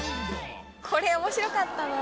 これ面白かったな。